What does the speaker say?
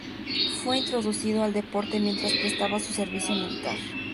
Fue introducido al deporte mientras prestaba su servicio militar.